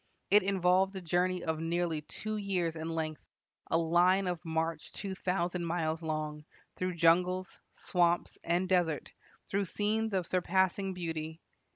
It involved a journey of nearly two years in length, a line of march two thousand miles long, through jungles, swamps, and desert, through scenes of surpassing beauty."